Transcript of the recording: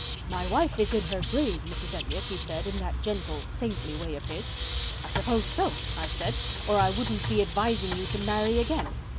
'My wife is in her grave, Mrs. Elliott,' he said, in that gentle, saintly way of his. 'I suppose so,' I said, 'or I wouldn't be advising you to marry again.